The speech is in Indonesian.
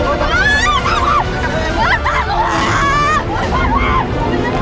iya mas aku dititip pandangan